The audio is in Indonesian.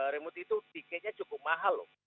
remote itu tiketnya cukup mahal loh